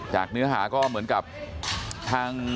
เนื้อหาก็เหมือนกับทาง